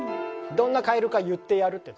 どんなカエルか言ってやるって。